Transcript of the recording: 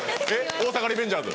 『大阪リベンジャーズ』。